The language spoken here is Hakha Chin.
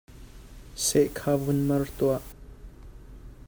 Seh kha vun mer tuah.